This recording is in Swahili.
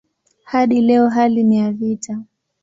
Hadi leo hali ni ya vita.